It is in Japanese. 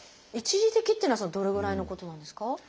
「一時的」っていうのはどれぐらいのことなんですか？